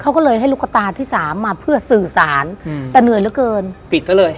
เขาก็เลยให้ลูกตาที่สามมาเพื่อสื่อสารอืมแต่เหนื่อยเหลือเกินปิดซะเลย